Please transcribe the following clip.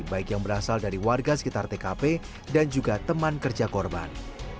baik yang berasal dari warga sekitar tkp dan juga teman kerja korban